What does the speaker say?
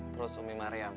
terus umi maryam